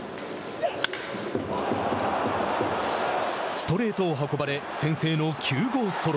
ストレートを運ばれ先制の９号ソロ。